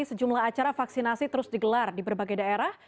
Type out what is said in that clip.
sejumlah acara vaksinasi terus digelar di berbagai daerah